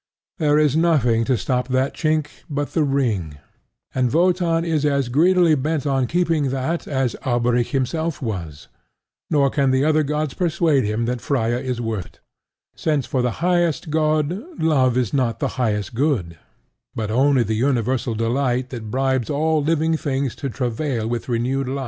There is nothing to stop that chink but the ring; and Wotan is as greedily bent on keeping that as Alberic himself was; nor can the other gods persuade him that Freia is worth it, since for the highest god, love is not the highest good, but only the universal delight that bribes all living things to travail with renewed life.